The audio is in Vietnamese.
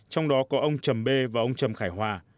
trong đó có ông trầm bê và ông trầm khải hoa